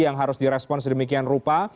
yang harus di respon sedemikian rupa